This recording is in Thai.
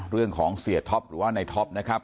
เรื่องของเสียท็อปหรือว่าในท็อปนะครับ